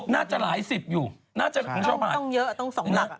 น่าจะหลายสิบอยู่ต้องเยอะต้องส่งหลัก